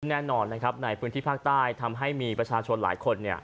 แน่นอนนะครับในพื้นที่ภาคใต้ทำให้มีประชาชนหลายคน